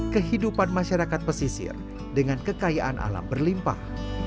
kehidupan masyarakat pesisir dengan kekayaan alam berlimpah